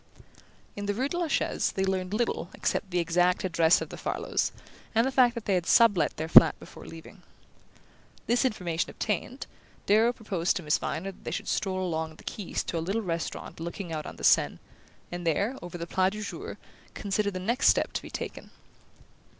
In the rue de la Chaise they learned little except the exact address of the Farlows, and the fact that they had sub let their flat before leaving. This information obtained, Darrow proposed to Miss Viner that they should stroll along the quays to a little restaurant looking out on the Seine, and there, over the plat du jour, consider the next step to be taken.